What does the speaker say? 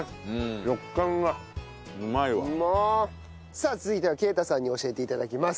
さあ続いては啓太さんに教えて頂きます。